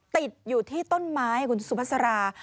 ติดอยู่ที่ต้นไม้คุณสุภาษารา